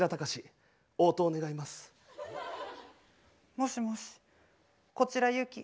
もしもしこちらゆき。